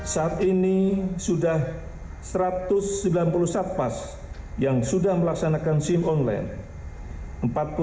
saat ini sudah satu ratus sembilan puluh satpas yang sudah melaksanakan sim online